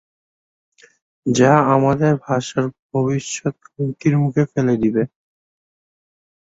নতুন প্রজন্মের শিক্ষিত যুবকদের মধ্যে মান্য বাংলা ভাষার ব্যবহার বাড়ছে, ফলে ভাষাটি ক্রমশ অপ্রচলিত হয়ে পড়ছে।